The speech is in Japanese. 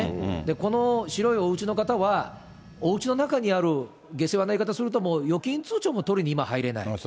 この白いおうちの方は、おうちの中にある、下世話な言い方すると、預金通帳も取りに今、入れない。